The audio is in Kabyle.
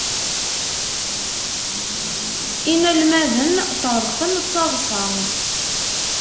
Inalmaden ṭṭreḍqen d taḍsa.